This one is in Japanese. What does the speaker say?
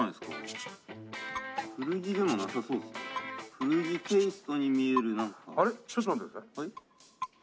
古着テイストに見える何かはい？